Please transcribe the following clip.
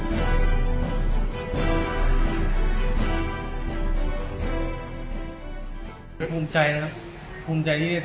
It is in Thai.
อยู่ที่นี่